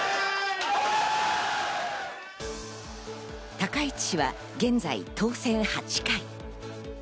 高市氏は現在当選８回。